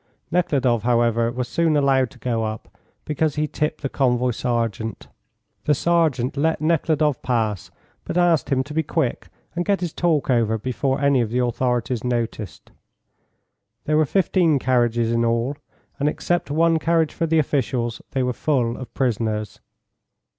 Nekhludoff, however, was soon allowed to go up, because he tipped the convoy sergeant. The sergeant let Nekhludoff pass, but asked him to be quick and get his talk over before any of the authorities noticed. There were 15 carriages in all, and except one carriage for the officials, they were full of prisoners.